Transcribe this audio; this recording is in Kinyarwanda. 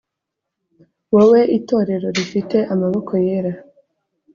Wowe Itorero rifite amaboko yera